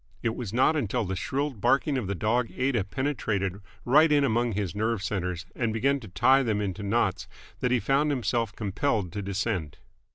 It was not until the shrill barking of the dog Aida penetrated right in among his nerve centres and began to tie them into knots that he found himself compelled to descend.